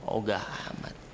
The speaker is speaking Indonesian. oh gak amat